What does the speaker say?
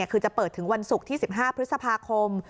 คือจะเปิดถึงวันศุกร์ที่๑๕พฤษภาคม